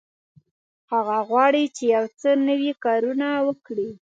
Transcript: هغه غواړي چې یو څه نوي کارونه وکړي.